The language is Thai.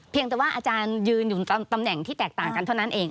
แต่ว่าอาจารย์ยืนอยู่ตำแหน่งที่แตกต่างกันเท่านั้นเอง